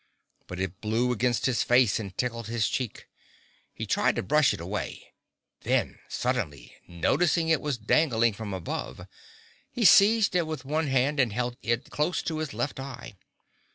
But it blew against his face and tickled his cheek. He tried to brush it away. Then, suddenly noticing it was dangling from above, he seized it in one hand and held it close to his left eye.